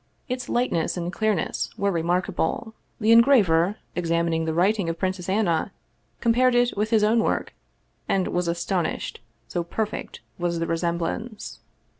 Its lightness and clearness were remarkable. The engraver, examining the writing of Princess Anna, compared it with his own work, and was astonished, so perfect was the resemblance.